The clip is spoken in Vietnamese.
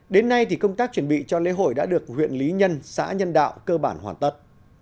đến nay thì công tác chuẩn bị cho lễ hội đã được huyện lý nhân xã nhân đạo cơ bản hoàn tất